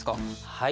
はい。